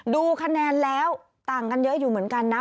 ดูคะแนนแล้วต่างกันเยอะอยู่เหมือนกันนะ